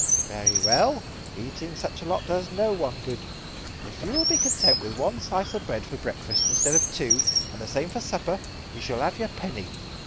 "Very well. Eating such a lot does no one good. If you will be content with one slice of bread for breakfast instead of two, and the same for supper, you shall have your penny.